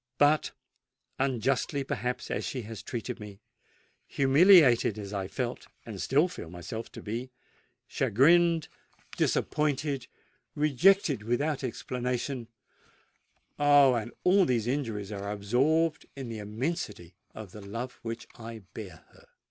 But, unjustly perhaps as she has treated me—humiliated as I felt and still feel myself to be—chagrined—disappointed—rejected without explanation,—oh! all these injuries are absorbed in the immensity of the love which I bear her!"